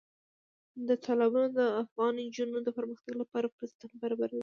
تالابونه د افغان نجونو د پرمختګ لپاره فرصتونه برابروي.